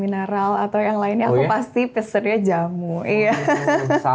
makanya setiap aku pulang ke solo dan yogyakarta aku bisa lihat jamu di jakarta